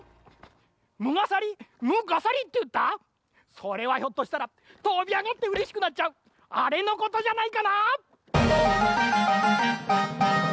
それはひょっとしたらとびあがってうれしくなっちゃうあれのことじゃないかな？